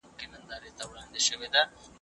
که خدمت وي نو هېواد نه ورانیږي.